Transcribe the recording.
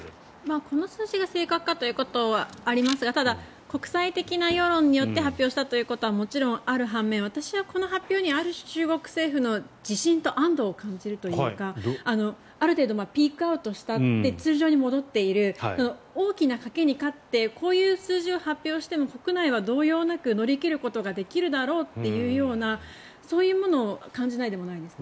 この数字が正確かということはありますがただ、国際的な世論によって発表したということはもちろんある半面私はこの発表にはある種、中国政府の自身と安どを感じるというかある程度、ピークアウトした通常に戻っている大きな賭けに勝ってこういう数字を発表しても国内は動揺なく乗り切ることができるだろうというようなそういうものを感じないでもないですね。